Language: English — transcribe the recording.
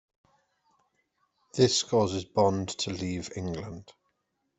This causes Bond to leave England.